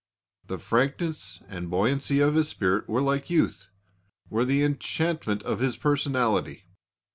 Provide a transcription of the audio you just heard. The frankness and buoyancy of his spirit were like youth: were the enchantment of his personality.